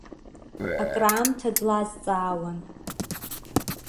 Акраамҭа длазҵаауан.